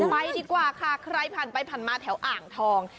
ไปดีกว่าค่ะใครผ่านไปผ่านมาแถวอ่างทอง